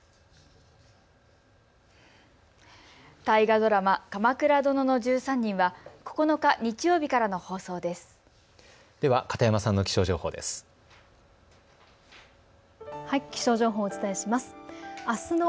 大河ドラマ、鎌倉殿の１３人は９日日曜日からの放送です。